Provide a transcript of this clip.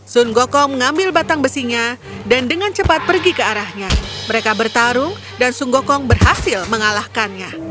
sun gokong mengambil batang besinya dan dengan cepat pergi ke arahnya mereka bertarung dan sun gokong berhasil mengalahkannya